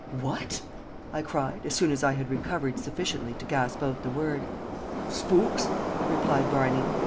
"What?" I cried, as soon as I had recovered sufficiently to gasp out the word. "Shpooks," replied Barney.